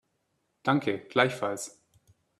Danke, gleichfalls.